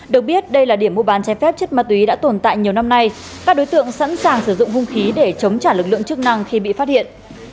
được biết đây là điểm mua bán trái phép chất ma túy đã tồn tại nhiều năm nay các đối tượng sẵn sàng sử dụng hung khí để chống trả lực lượng chức năng khi bị phát hiện